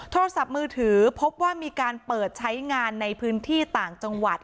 โทรศัพท์มือถือพบว่ามีการเปิดใช้งานในพื้นที่ต่างจังหวัด